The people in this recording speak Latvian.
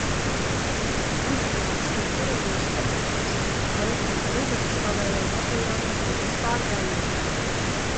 Uzzinājis par kureliešu atbruņošanu, leitnants Rubenis pavēlēja bataljonam doties pārgājienā.